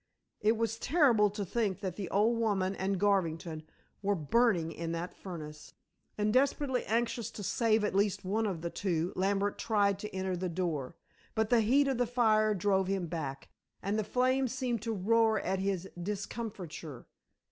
It was terrible to think that the old woman and Garvington were burning in that furnace, and desperately anxious to save at least one of the two, Lambert tried to enter the door. But the heat of the fire drove him back, and the flames seemed to roar at his discomfiture.